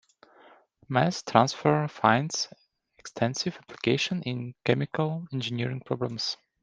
Mass transfer finds extensive application in chemical engineering problems.